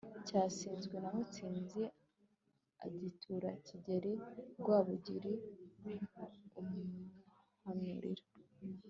cyasizwe na mutsinzi agitura kigeli rwabugili amuhanuririra